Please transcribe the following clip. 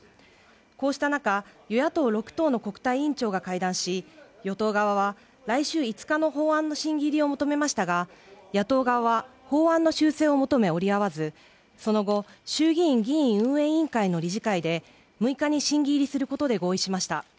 こうした中与野党６党の国対委員長が会談し与党側は来週５日の法案の審議入りを求めましたが野党側は法案の修正を求め折り合わずその後衆議院議院運営委員会の理事会で６日に審議入りすることで合意しました